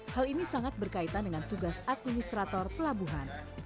hal ini sangat berkaitan dengan tugas administrator pelabuhan